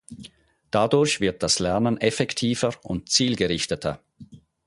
Dadurch wird das Lernen effektiver und zielgerichteter.